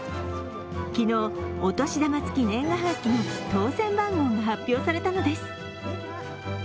昨日、お年玉付き年賀はがきの当選番号が発表されたのです。